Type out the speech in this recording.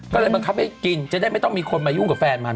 ก็เลยบังคับให้กินจะได้ไม่ต้องมีคนมายุ่งกับแฟนมัน